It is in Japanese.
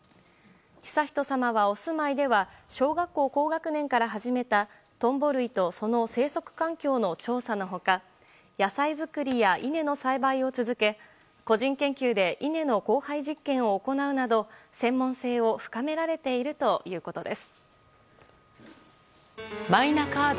悠仁さまは、お住まいでは小学校高学年から始めたトンボ類とその生息環境の調査の他野菜作りや稲の栽培を続け個人研究で稲の交配実験を行うなど専門性を深められているということです。